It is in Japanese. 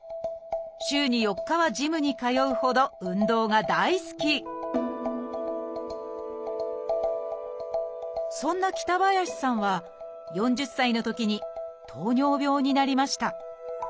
週に４日はジムに通うほど運動が大好きそんな北林さんは４０歳のときに糖尿病になりました